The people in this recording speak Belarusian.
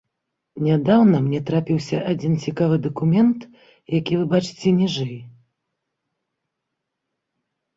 Нядаўна мне трапіўся адзін цікавы дакумент, які вы бачыце ніжэй.